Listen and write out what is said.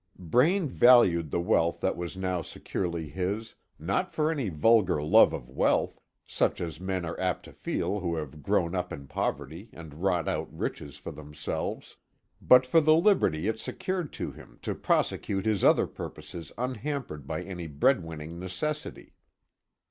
Braine valued the wealth that was now securely his, not for any vulgar love of wealth, such as men are apt to feel who have grown up in poverty and wrought out riches for themselves, but for the liberty it secured to him to prosecute his other purposes unhampered by any bread winning necessity.